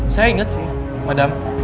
saya inget sih madam